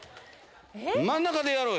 真ん中でやろうよ。